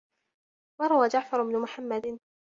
وَرَوَى جَعْفَرُ بْنُ مُحَمَّدٍ